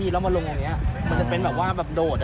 แล้วมาลงตรงเนี้ยมันจะเป็นแบบว่าโดด